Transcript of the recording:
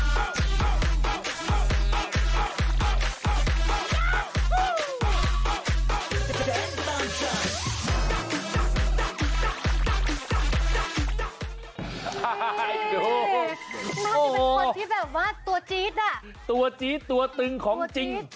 นี่ไม่มีคนที่แบบวะตัวจี๊ดตัวจี๊ดตัวตึงของจริง